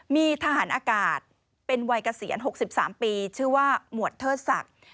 มีทหารอากาศเป็นวัยเกษียณ๖๓ปีชื่อว่าหมวดเทิดศักดิ์